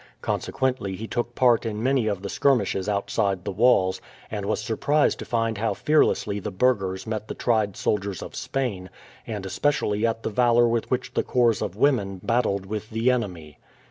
Consequently he took part in many of the skirmishes outside the walls, and was surprised to find how fearlessly the burghers met the tried soldiers of Spain, and especially at the valour with which the corps of women battled with the enemy.